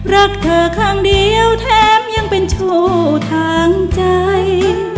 รักเธอครั้งเดียวแถมยังเป็นโชว์ทางใจ